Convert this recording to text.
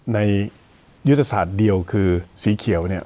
ในยุทธศาสตร์เดียวคือสีเขียวเนี่ย